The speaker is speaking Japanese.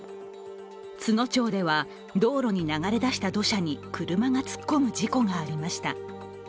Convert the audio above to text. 津野町では道路に流れ出した土砂に車が突っ込む事故がありました。